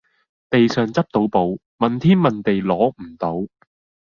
地上執到寶，問天問地攞唔到